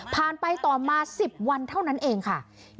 ไปต่อมา๑๐วันเท่านั้นเองค่ะ